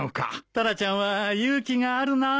タラちゃんは勇気があるな。